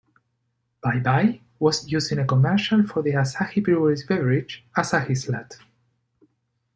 "Bye Bye" was used in a commercial for the Asahi Breweries beverage, Asahi Slat.